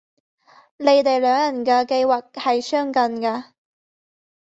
你哋兩人嘅計劃係相近嘅